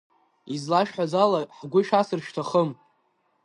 Излашәҳәаз ала, ҳгәы шәасыр шәҭахым.